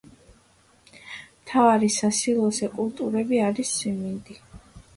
მთავარი სასილოსე კულტურები არის სიმინდი.